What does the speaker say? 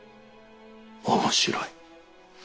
面白い。